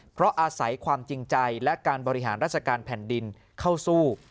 เพราะอาศัยความจริงใจและการบริหารราชการแผ่นดินเข้าสู้